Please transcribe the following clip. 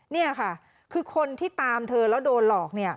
นี่ค่ะคือคนที่ตามเธอแล้วโดนหลอกเนี่ย